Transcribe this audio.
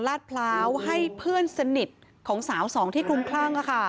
ลาดพร้าวให้เพื่อนสนิทของสาวสองที่คลุมคลั่ง